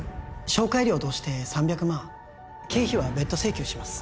紹介料として３００万経費は別途請求します